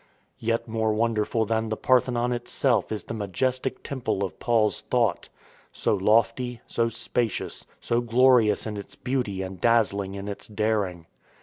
Yet more wonderful than the Parthenon itself is the majestic temple of Paul's thought — so lofty, so spacious, so glorious in its beauty and dazzling in its daring.